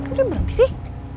udah berhenti sih